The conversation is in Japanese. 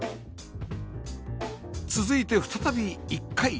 続いて再び１階